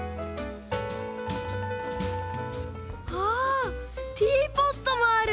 あっティーポットもある！